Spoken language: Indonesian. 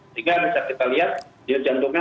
sehingga bisa kita lihat jantungnya